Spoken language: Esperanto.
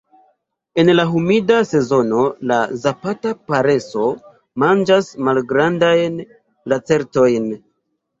En la humida sezono la Zapata pasero manĝas malgrandajn lacertojn.